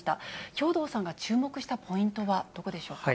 兵頭さんが注目したポイントはどこでしょうか。